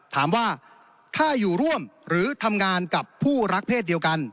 ถามว่าถ้าอยู่ร่วมหรือทำงานกับผู้รักเพศเดียวกัน